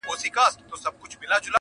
چي يې زړونه سوري كول د سركښانو٫